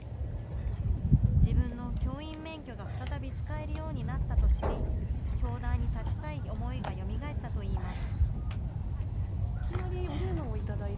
自分の教員免許が再び使えるようになったと知り、教壇に立ちたい思いがよみがえったといいます。